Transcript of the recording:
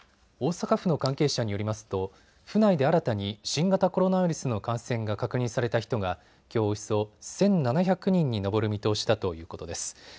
大阪府の関係者によりますと府内で新たに新型コロナウイルスの感染が確認された人がきょうおよそ１７００人に上る見通しだということです。